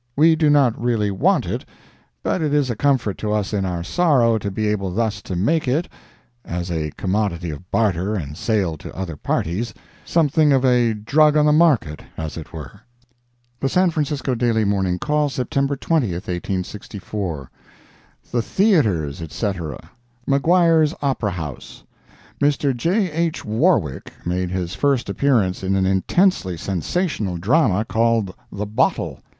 We do not really want it, but it is a comfort to us in our sorrow to be able thus to make it (as a commodity of barter and sale to other parties,) something of a drug on the market, as it were. The San Francisco Daily Morning Call, September 20, 1864 THE THEATRES, ETC. MAGUIRE'S OPERA HOUSE.—Mr. J. H. Warwick made his first appearance in an intensely sensational drama called "The Bottle."